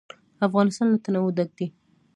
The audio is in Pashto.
افغانستان له تنوع ډک دی.